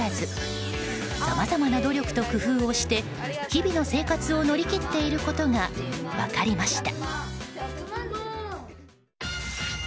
今の給料に満足はしておらずさまざまな努力と工夫をして日々の生活を乗り切っていることが分かりました。